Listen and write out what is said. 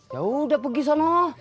yaudah pergi sana